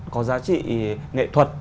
có giá trị nghệ thuật